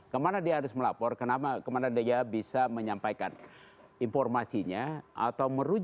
kemana dia harus melapor kemana dia bisa menyampaikan informasinya atau merujuk